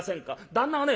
旦那はね